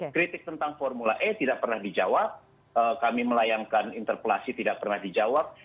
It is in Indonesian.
kritik tentang formula e tidak pernah dijawab kami melayangkan interpelasi tidak pernah dijawab